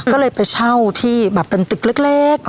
ก็เลยไปเช่าที่แบบเป็นตึกเล็ก